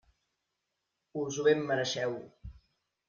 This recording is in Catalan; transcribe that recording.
Us ho ben mereixeu.